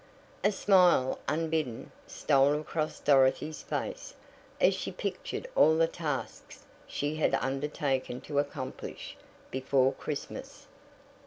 A smile, unbidden, stole across Dorothy's face as she pictured all the tasks she had undertaken to accomplish "before Christmas."